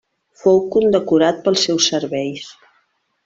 Fou condecorat pels seus serveis.